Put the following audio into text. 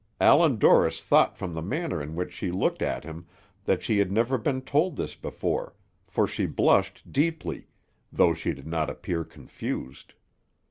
Allan Dorris thought from the manner in which she looked at him that she had never been told this before, for she blushed deeply, though she did not appear confused.